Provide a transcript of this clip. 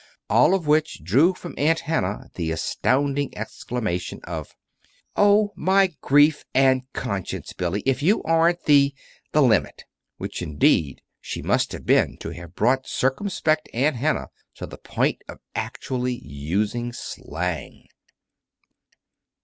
All of which drew from Aunt Hannah the astounding exclamation of: "Oh, my grief and conscience, Billy, if you aren't the the limit!" Which, indeed, she must have been, to have brought circumspect Aunt Hannah to the point of actually using slang.